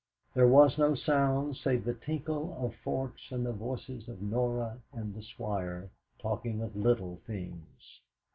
There was no sound save the tinkle of forks and the voices of Norah and the Squire, talking of little things.